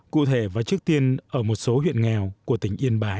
cụ thể và trước tiên ở một số huyện nghèo của tỉnh yên bái